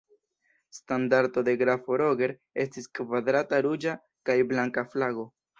Standardo de grafo Roger estis kvadrata ruĝa kaj blanka flago.